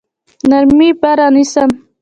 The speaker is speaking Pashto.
نرمي به رانیسم.